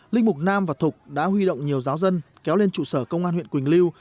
linh mục nam và thục đã huy động nhiều giáo dân kéo lên trụ sở công an huyện quỳnh lưu